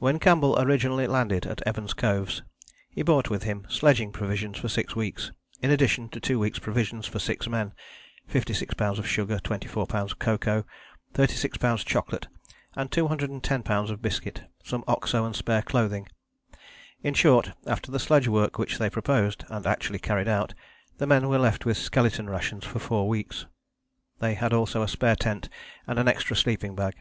When Campbell originally landed at Evans Coves he brought with him sledging provisions for six weeks, in addition to two weeks' provisions for six men, 56 lbs. sugar, 24 lbs. cocoa, 36 lbs. chocolate and 210 lbs. of biscuit, some Oxo and spare clothing. In short, after the sledge work which they proposed, and actually carried out, the men were left with skeleton rations for four weeks. They had also a spare tent and an extra sleeping bag.